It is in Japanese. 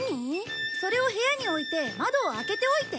それを部屋に置いて窓を開けておいて。